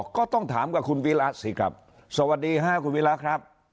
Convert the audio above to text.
ก็ต้องถามกับคุณวิระสิครับสวัสดีค่ะคุณวิระครับ